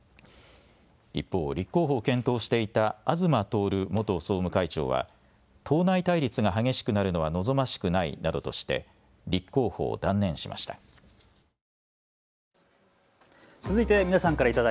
一方、立候補を検討していた東徹元総務会長は党内対立が激しくなるのは望ましくないなどとして立候補を断念しました。